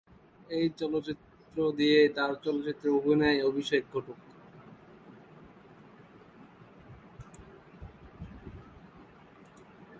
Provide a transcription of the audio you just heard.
এই চলচ্চিত্র দিয়ে তার চলচ্চিত্রে অভিনয়ে অভিষেক ঘটে।